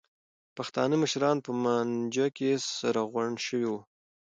پښتانه مشران په مانجه کې سره غونډ شوي وو.